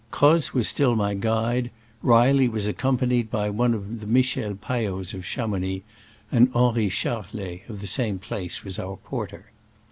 Croz was still my guide; Reilly was accompanied by one of the Michel Payots of Chamounix ; and Henri Char let, of the same place, was our porter.